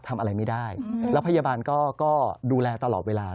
ทำอะไรไม่ได้แล้วพยาบาลก็ดูแลตลอดเวลา